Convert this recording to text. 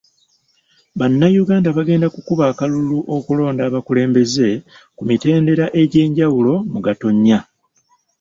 Bannayuganda bagenda kukuba akalulu okulonda abakulembeze ku mitendera egy'enjawulo mu Gatonya.